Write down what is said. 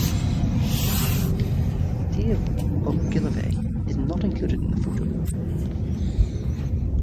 Dave Ogilvie is not included in the photo.